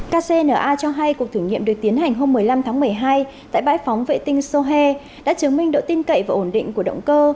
kcna cho hay cuộc thử nghiệm được tiến hành hôm một mươi năm tháng một mươi hai tại bãi phóng vệ tinh sohe đã chứng minh độ tin cậy và ổn định của động cơ